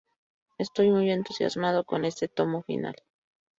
Estoy muy entusiasmado con este tomo final.